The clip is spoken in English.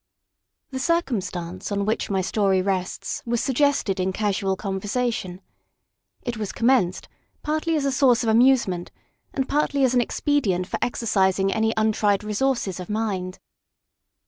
The circumstance on which my story rests was suggested in casual conversation. It was commenced partly as a source of amusement, and partly as an expedient for exercising any untried resources of mind.